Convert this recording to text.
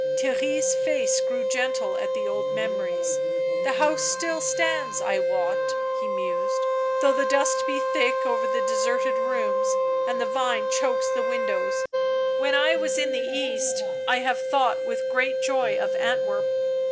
Theirry' s face grew gentle at the old memories. " The house still stands, I wot," he mused, " though the dust be thick over the deserted rooms and the vine chokes the wnidows — when I was in the East, I have thought with great joy of Antwerp."